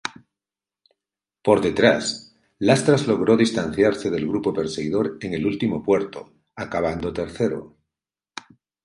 Por detrás Lastras logró distanciarse del grupo perseguidor en el último puerto acabando tercero.